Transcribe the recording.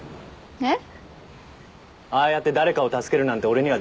えっ？